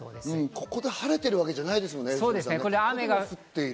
ここで晴れてるわけじゃないですもんね、降っている。